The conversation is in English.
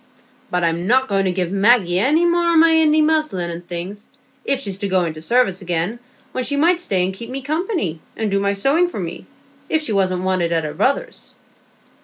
But I'm not going to give Maggie any more o' my Indy muslin and things, if she's to go into service again, when she might stay and keep me company, and do my sewing for me, if she wasn't wanted at her brother's."